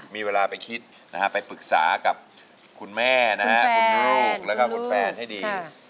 มีเวลาไปคิดไปปรึกษากับคุณแม่คุณลูกคุณแฟนให้ดี